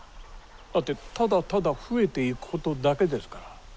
だってただただ増えていくことだけですから。